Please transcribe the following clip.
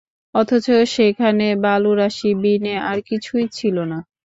অথচ সেখানে বালুরাশি বিনে আর কিছুই ছিল না।